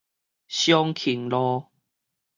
松勤街